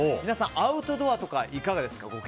皆さん、アウトドアとかいかがですか？